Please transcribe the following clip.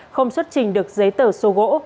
không xuất trình được giấy tở số gỗ